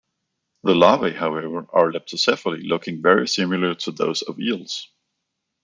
The larvae, however, are leptocephali, looking very similar to those of eels.